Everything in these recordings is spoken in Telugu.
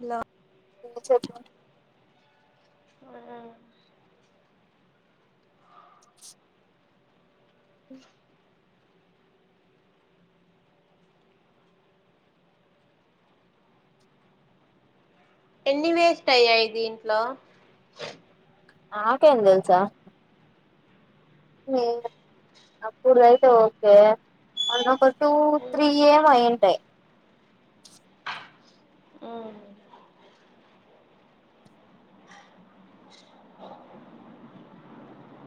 హలో చో ఆ అ ఎన్ని వేస్ట్ అయ్యాయి దింట్లో ఆమేకేం తెల్సా మీ అప్పుడు అయితే ఓకే మొన్న ఒక టూ త్రీ ఏమొ అయింటాయి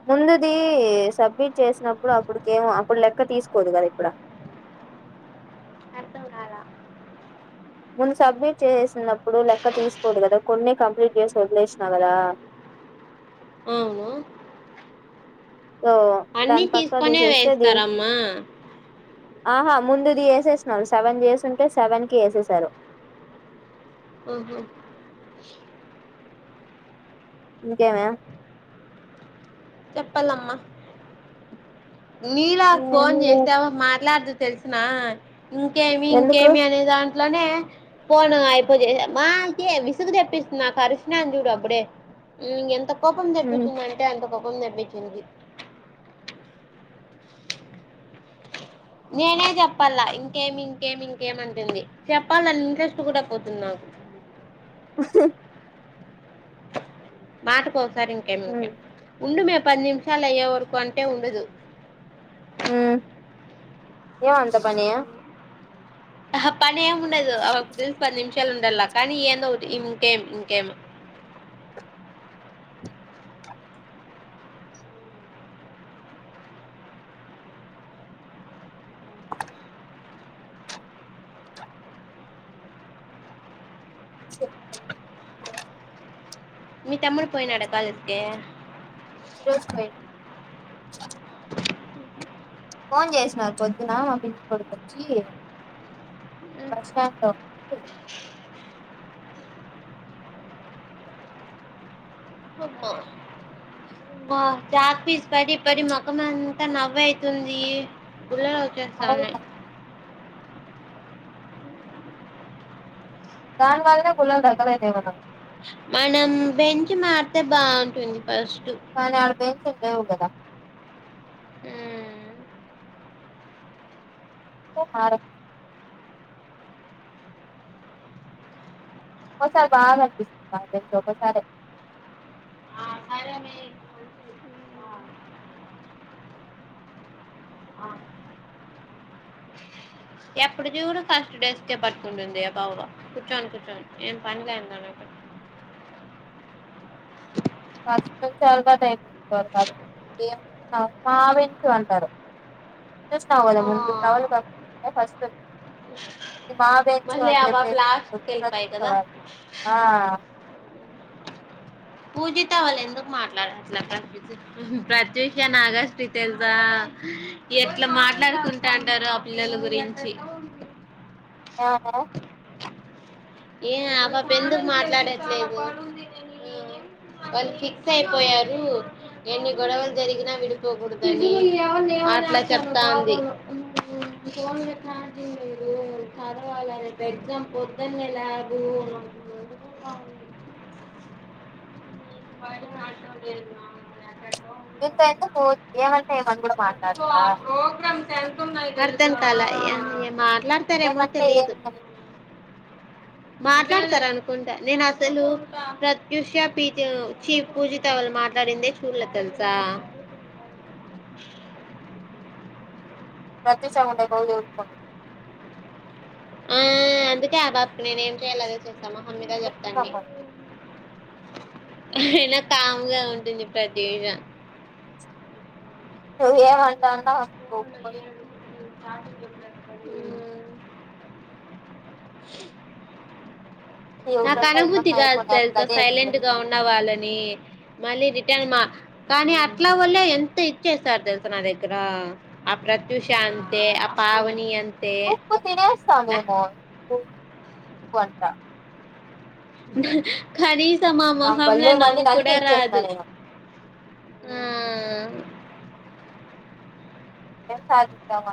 ముందుది సబ్మిట్ చేసినప్పుడు అప్పుడికేమో అప్పుడు లెక్క తీసుకోదు కదా ఇప్పుడ అర్థం కాలా ముందు సబ్మిట్ చేసినప్పుడు లెక్క తీసుకోదు కదా కొన్ని కంప్లీట్ చేస్ వదిలేసినావ్ కదా అవును ఓ అన్నిీ తీసుకొనే వేస్తారమ్మా ఆహా ముందిది వేసేసిన సెవెన్ చేస్తుంటే సెవెన్కిి వేసేసారు మ్ హో ఇంకేమే చెప్పాలమ్మా నీలా ఫోన్ ఏమి లేదు చేస్తే ఆమె మాట్లాడదు తెలుసునా ఇంకేమి ఎందుకు ఇంకేమి అనేదా అట్లనే పోను అయిపో చె మామ్ కి విసుగు తెప్పిస్తుంది నాక్ అరిశి నాను చూడు అప్పుడే ఇంగ ఎంత కోపం ఉమ్ తెప్పిచిందంటే ఎంత ఉంద [unintelligible] నేనే చెప్పాల ఇంకేమి ఇంకేమి ఇంకేమంటుంది చెప్పాలని ఇంట్రెస్ట్ కూడా పోతుంది నాకు మాట కొ సరే ఇంకేమి ఉమ్ ఇంకేమి ఉండు మే పది నిమిషాలు అయ్యే వరకు అంటే ఉండదు హా ఏమి అంత పని ఆహా పన్ ఎం ఉండదు ఆ మే పది నిమిష షాలు ఉండాల కానీ ఏందో ఒక్కటి ఇంకేం ఇంకేం మీ తమ్ముడు పోయినాడా కాలేజీ కి [inaudible] ఫోన్ చేసినారు పొద్దున మా పిన్ని కొడుకు వొచ్చి బస్ స్టాండ్లో మా చాక్ పీస్ పడి పడి మొఖం అంతా నవ్ అయితుంది గుల్లలవుతది సామీ అవునా దాని వాళ్ళనే గుల్లల లెక్కలైతాయి మనకు మనం బెంచి మారితే బాగుంటుంది ఫస్ట్ బెంచీలు లేవు కదా ఉంటే మారొచ్చు ఒకసారి బాగా అనిపిస్తుంది ఒక్కోసారే మ్మ్. ఎప్పుడు చూడు ఫస్ట్ డెస్క్ ఏ పట్టుకుంటుంది ఆ పాప కూర్చొని కూర్చొని ఏం పని లేని దానట్టు ఫస్ట్ నుంచి అలవాటైపోయింది నాకు అ ఏం మా బెంచ్ అంటారు చూసినావు కదా ఆ, ముందు వచ్చినోళ్లు కాకుండా ఫస్ట్ ఇది మా బెంచు మళ్ళీ అని ఆ పాప చెప్పేసి లాస్ట్కి వెళ్ళిపోయి ప్రత్యూష కదా వాళ్లు ఆ పూజిత వాళ్ళు ఎందుకు మాట్లాడట్ల ప్రత్యూష నాగస్స్టి తెలుసా ఎట్ల మాట్లాడుకుంటుంటారో ఆ పిల్లల గురించి ఆహా ఏం ఆపాప ఎందుకు మాట్లాడట్లేదు వాళు ఫిక్స్ అయిపోయారు ఎన్ని గొడవలు జరిగినా విడిపోకూడదని అట్లా చెప్తాంది [inaudible] [inaudible] ఇంత ఎందుకు [unintelligible] ఏమంటే ఏమని కూడా మాట్లాడరా అర్థం కాలే ఈ మాటలు మాట్లాడతారేమో ఏమంటే తెలియదు ఏమి మాట్లాడతారు అనుకుంటా నేను అసలు ప్రత్యుష పీ చి పూజిత వాళ్ళు మాట్లాడిందే చూడలే తెలుసా ప్రత్యూష ఉండే రోజులు ఆ అందుకే ఆ పాప నేను ఏం చేయాలి అదే చెస్ నా మొహం మీద చెప్తాంది పాపం ఆహా అయినా కామ్గా ఉంటుంది ప్రత్యూష నువ్వేమీ అంటాండవ్ [inaudible] ఆమ్ నాకు ఎవరన్నా ఏమన్నా అనుభూతిగా అయిపోయినా తెలుసా అదే సైలెంట్ ఎక్స్ప్రెషన్ గా ఉన్నవాళ్ళని మళ్ళీ రిటైన్ కానీ అట్లా వలే ఎంత ఇచ్చేస్తారు తెలుస నా దగ్గర ఆ ప్రత్యుష అంతే ఆ పావని అంతే ఉప్పు నా తినేస్తాందేమో [unintelligible] కానీస్ సం ఆ నాకు మొహం ల భలే నవ్వు మండింది కూడ అందుకే ఇచ్చేసిన రాదు నేను ఎం సాధిస్తావు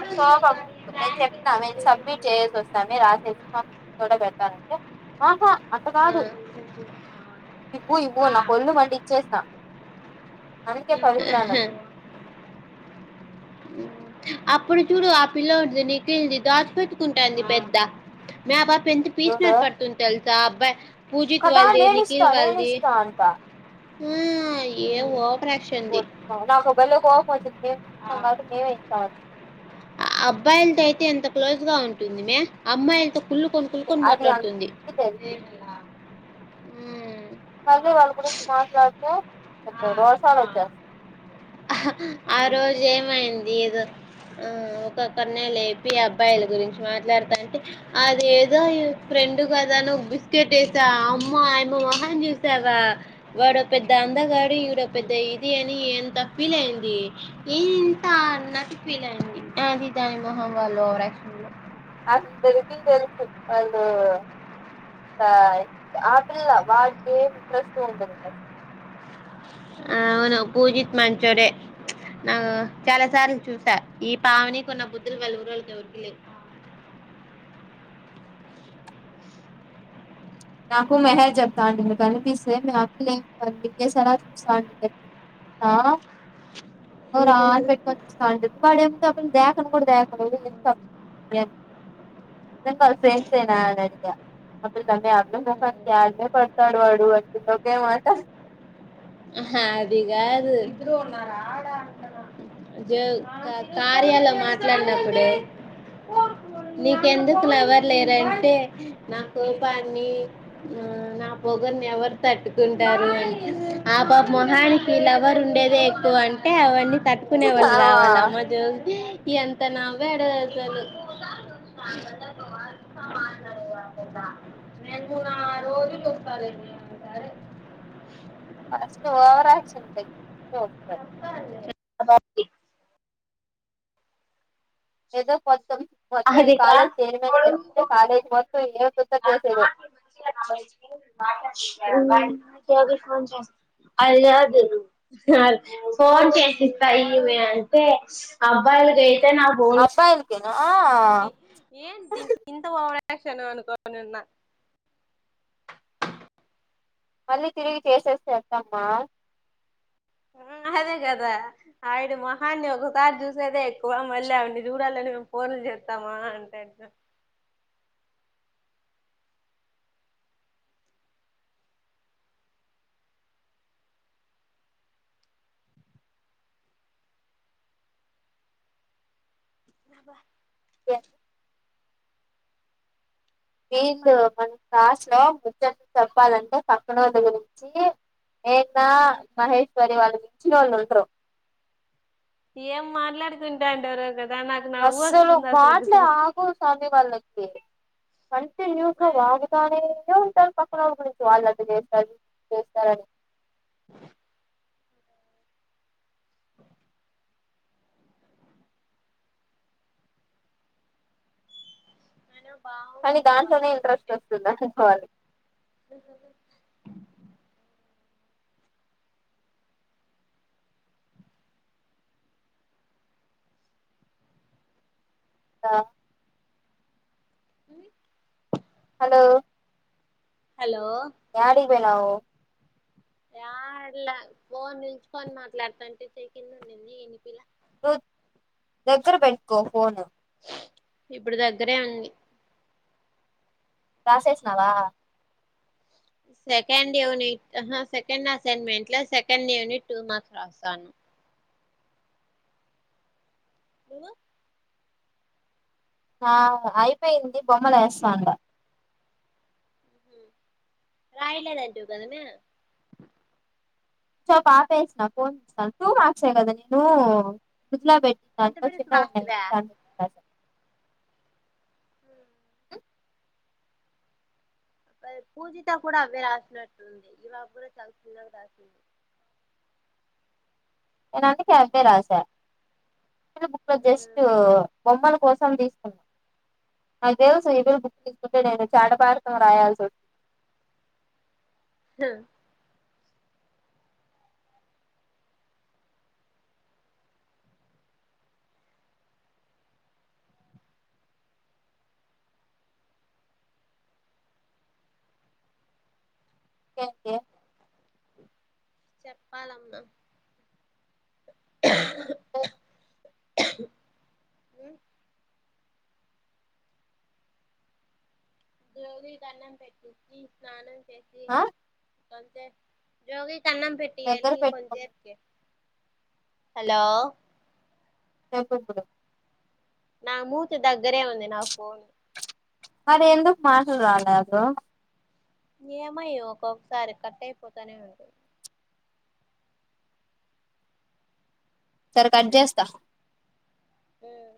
[unintelligible] నేను చెప్తా నేను సబ్మిట్ చేసి వస్తాను రాసేసి [unintelligible] ఆహా అంత ఆ! కాదు ఇవ్వు ఇవ్వు నాకొళ్ళు మండి ఇచ్చేసిన అందుకే పవిత్రాలని అప్పుడు చూడు ఆ పిల్ల ఉంటుంది నీకళ్ంది దాచ పెట్కుంటుంది పెద్ద మా ఎంత చూడు పీసినార్ పడుతుంది తెలుసా సబ్బా కదా నేనిస్తా నేనిస్తా అంట ఆ ఏ ఒ రాక్షడి పళ్ళ కో వచ్చంది మే ఇన మ ఇ అబ్బాయిలతో అయితే ఎంత క్లోజ్ గా ఉంటుంది మే అమ్మాయిలతో కులుకొని చెప్పి కుల్కొని అది మాట్లాడుతుంది అందరికీ తెలుసు ఉ అదే వాళ్ళు గురించి మాట్లాడత అ రర్షాలచ్చస్త రోజ ఏమైంది ఏదో ఆ ఒకక్కరి న లేపి అబ్బాయిల గురించి మాట్లాడుతా అంటే అది ఏదో ఈ ఫ్రెండ్ కదా నువ్వు బిస్కెట్ వేసావా అమ్మ ఆయమ మొహని చూసావా వాడో పెద్ద అండగాడు ఈడ పెద్ద ఇది అని ఎంత ఫీల్ అయింది ఇంత అన్నటి ఫీల్ అయింది అది దాని మొహమ్ వాళ్ళుక్ష అసలు తరికి తెలుసు వాళ్ళు ఆపిల్ల వాటికి ఏమి ఇంట్రెస్ట్ ఉంటదు ఆవును పూజిత్ మంచోరే నా చాలా సార్లు చూసా ఈ పావని కొన్న బుద్ధులు వెళ్ళగురు వాళ్ళు దరికిలే నాకు మెహేజ చెప్తాండి మీకు కనిపిస్తే మీపిలుంనిపించే సలా చూస్తాంస్తా రాన్ పె సది వాడే దను కూడా దను సేం సే న అడిగా అప్పుడు తమ్ క్యారు న పడతడ వడుచ్చ కేమత అది కాదు జ కార్యాల మాట్లాడినప్పుడు నీకెందుకు లవర్లేరుంటే నా కోపాన్ని నా పొగర్ని ఎవరు తట్టుకుంటారు అ ఆ బా మొహానికి లవర్ ఉండేదే ఎక్కువ అంటే అవన్నీ తట్టుకునే వాళ్ళు ఆ రావాల అమ్మజ ఎంత నావడ చ నేను నా రోజు చెప్పాలడి అంటారు అస్ ఓవరా చింతకి ఓ సార్ అబ ఏదో కొ అదికా కాలేజ్ మొత్తం ఏ కుత్త చేసేదో ఫోన్ చే అ లేదు ఫోన్ చేసిస్తాయి ఇవి అంటే అబ్బాయిలకి నా పోన్ అబ్బాయిలకేనా దీనికి ఏన్ దీ హ వార ఫషను అనుకోనున్నా మళ్ళీ తిరిగి చేసేస్తే వస్తామ్మా ఆ అదే కదా ఆవిడ మొహాన్ని ఒకసారి చూసేదే ఎక్కువ మళ్ళీ ఆవిన్ని చూడాలని మేము పూర్లు చేస్తామా అంటాడు బబా మీీందు చెప్పాలి మన కాస్లు చెప్ చెప్పాలంటే పక్కనోల్ల దగ్గరనుంచి ఏనా మహేశ్వరి వాళ్ళకి ఇచీనోళ్ళు ఉంట్రు ఏం మాట్లాడుకుంటాడారో కద్ అస్సలు మాట్లే ఆగవ్ సామీ వాళ్ళక్ కి కంటిన్యూస్ గా అయినా వాగుతానే ఉంటారు పక్కన ఒళ్ళు గురించి వాళ్ళ అది చేస్తారు ఇది చేస్తారని అయినా కానీ బాగుంటుంది దాంట్లోనే వాళ్ళతో ఇంట్రెస్ట్ ఉంటే వస్తుంది అనుకోవాలి ద అ హలో హలో యాడి పోనావు యాడలే ఫోన్ నిల్చుకొని మాట్లాడుతాంటే చేయ్ కిందుండింది ఇనిపియాల దగ్గర పెట్టుకో ఫోను ఇప్పుడు దగ్గరే ఉంది రాసేసినావా సెకండ్ యూనిట్ ఆహ సెకండ్ అసైన్మెంట్లో సెకండ్ యూనిట్ టూ మార్క్స్ రాస్తాన్నా నువ్వు ఆ అయిపోయింది బొమ్మలు వేస్తాండా రాయలేదంటివీ కదమే సో పాప వేసిన ఫోన్ [unintelligible] టూ మార్క్సే కదా నేను ఫ్రిడ్జ్ లొ పెట్టినను [unintelligible] అంత దాంలో బిరుసు రాస్తివా చిన్న పూజిత కూడా అవే రాసినట్టుంది ఇలా కూడా తాను చిన్నవి రాసింది నేను అందుకే అంతే రాసా చిన్న బుక్ లో జస్ట్ బొమ్మలు కోసం తీసుకున్నా నాకు తెలుసు ఇ పిల్ల బుక్ తీసుకుంటే చాటభారతం రాయాల్సి వస్తుం హ్ ఇంకేంటి చెప్పాలమ్మా ఉ మ్ రోజు దండం పెట్టించి స్నానం చేసి ఆ అంతే జొగి అన్నం దగ్గర పెట్టియలి పెట్టుకున్నా కొంచెపుకి హలో సరిపొతద నా మూతి దగ్గరే ఉంది నా ఫోను మరి ఎందుకు మార్కులు రాలేదు ఏమయ్యో ఒక్కొక్కసారి కట్ అయిపోతానే ఉంది సరే కట్ జేస్తా హ్మ్